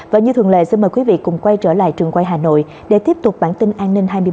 và như thường lệ xin mời quý vị cùng quay trở lại trường quay hà nội để tiếp tục bản tin an ninh hai mươi bảy h